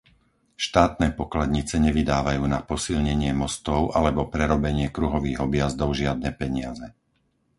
Štátne pokladnice nevydávajú na posilnenie mostov alebo prerobenie kruhových objazdov žiadne peniaze.